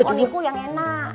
eh koniku yang enak